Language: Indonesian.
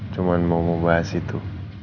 cuman mau ngebahas itu